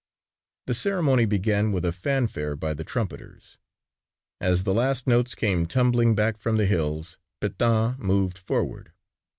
The ceremony began with a fanfare by the trumpeters. As the last notes came tumbling back from the hills Pétain moved forward.